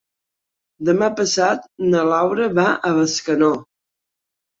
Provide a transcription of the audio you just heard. Demà passat na Laura va a Bescanó.